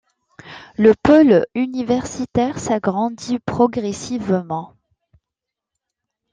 Le pôle universitaire s'agrandit progressivement.